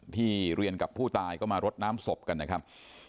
ที่เรียนกับผู้ตายก็มารดน้ำศพกันนะครับ